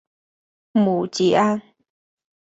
母吉安。